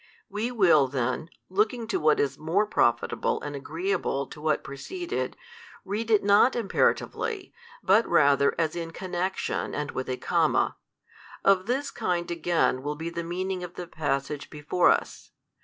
We will then, looking to what is more profitable and agreeable to what preceded, read it not imperatively, but rather as in connection and with a comma. Of this kind again will be the meaning of the passage before us.